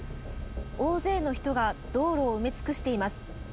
大勢の人が道路を埋め尽くしています。